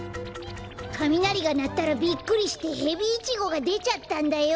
かみなりがなったらびっくりしてヘビイチゴがでちゃったんだよ。